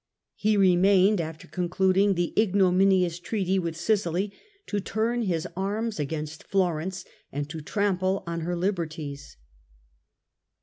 He remained, after concluding the ignominious treaty with Sicily, to turn his arms against Florence and to trample on her liberties